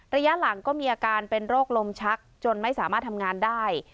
ระยะหลังก็มีอาการเป็นโรคลมชักจนไม่สามารถทำงานได้